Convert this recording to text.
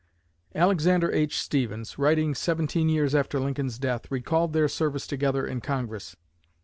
Alexander H. Stephens, writing seventeen years after Lincoln's death, recalled their service together in Congress.